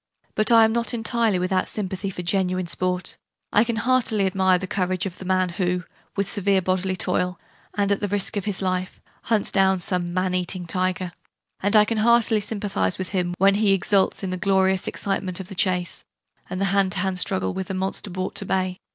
But I am not entirely without sympathy for genuine 'Sport': I can heartily admire the courage of the man who, with severe bodily toil, and at the risk of his life, hunts down some 'man eating' tiger: and I can heartily sympathize with him when he exults in the glorious excitement of the chase and the hand to hand struggle with the monster brought to bay.